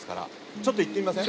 ちょっと行ってみません？